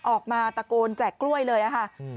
ออกมาตะโกนแจกกล้วยเลยค่ะ